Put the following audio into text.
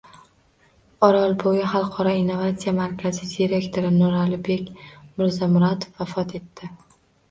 Orolbo‘yi xalqaro innovatsiya markazi direktori Nurlibek Mirzamuratov vafot etdi